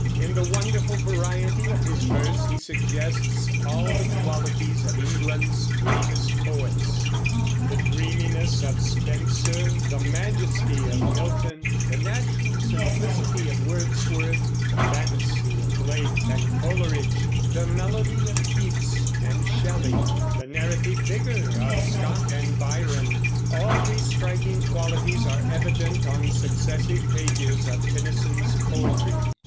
In the wonderful variety of his verse he suggests all the qualities of England's greatest poets. The dreaminess of Spenser, the majesty of Milton, the natural simplicity of Wordsworth, the fantasy of Blake and Coleridge, the melody of Keats and Shelley, the narrative vigor of Scott and Byron, all these striking qualities are evident on successive pages of Tennyson's poetry.